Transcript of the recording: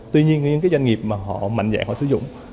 tuy nhiên những cái doanh nghiệp mà họ mạnh dạng họ sử dụng